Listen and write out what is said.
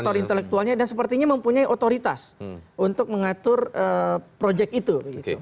aktor intelektualnya dan sepertinya mempunyai otoritas untuk mengatur project itu